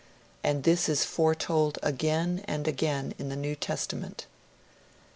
And this is foretold again and again in the New Testament.'